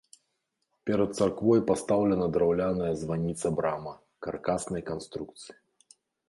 Перад царквой пастаўлена драўляная званіца-брама каркаснай канструкцыі.